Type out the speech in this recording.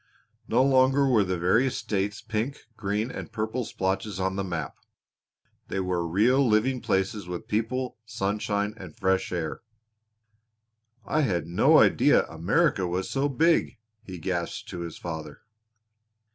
No longer were the various states pink, green, or purple splotches on the map; they were real living places with people, sunshine, and fresh air. "I had no idea America was so big!" he gasped to his father.